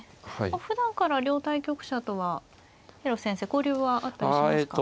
ふだんから両対局者とは広瀬先生交流はあったりしますか。